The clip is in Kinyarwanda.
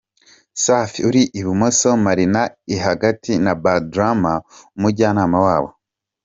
Safi uri i bumoso, Marina uri hagati na Bad Rama umujyana wabo.